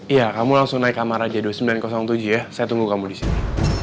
iya kamu langsung naik kamar raja dua ribu sembilan ratus tujuh ya saya tunggu kamu di sini